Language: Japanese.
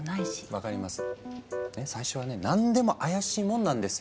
分かります。